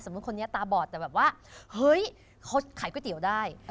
คนนี้ตาบอดแต่แบบว่าเฮ้ยเขาขายก๋วยเตี๋ยวได้